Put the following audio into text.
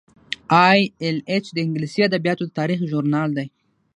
ای ایل ایچ د انګلیسي ادبیاتو د تاریخ ژورنال دی.